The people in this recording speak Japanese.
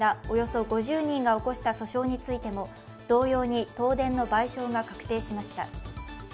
およそ５０人が起こした訴訟についても同様に東電の賠償が確定しました。